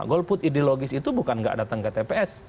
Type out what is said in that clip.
golput ideologis itu bukan tidak datang ke tps